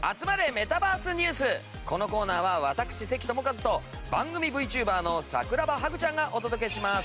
このコーナーは私関智一と番組ＶＴｕｂｅｒの桜葉ハグちゃんがお届けします。